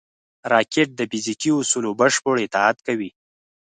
راکټ د فزیکي اصولو بشپړ اطاعت کوي